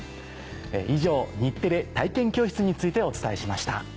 以上日テレ体験教室についてお伝えしました。